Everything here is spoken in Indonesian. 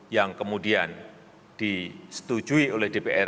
yang kemudian disetujui oleh dpr